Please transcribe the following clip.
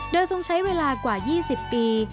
โดยทรงใช้เวลากว่า๒๐ปี